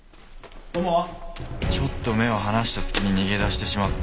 ちょっと目を離した隙に逃げ出してしまって。